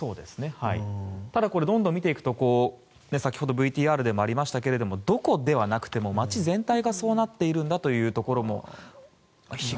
ただ、どんどん見ていくと先ほどＶＴＲでもありましたがどこで、ではなくて街全体がそうなっているんだというところも。